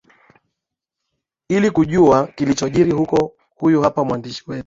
ilikujua kilichojiri huko huyu hapa mwandishi wetu